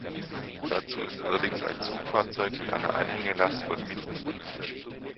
Dazu ist allerdings ein Zugfahrzeug mit einer Anhängelast von mind.